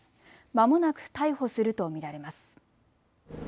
まもなく逮捕すると見られます。